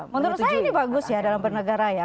menurut saya ini bagus ya dalam bernegara ya